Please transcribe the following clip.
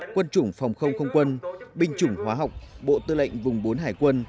quân chủng phòng không không quân binh chủng hóa học bộ tư lệnh vùng bốn hải quân